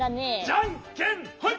じゃんけんほい。